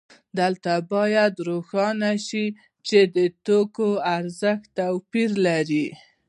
دلته باید روښانه شي چې د توکو ارزښت توپیر لري